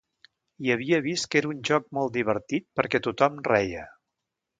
I havia vist que era un joc molt divertit perquè tothom reia.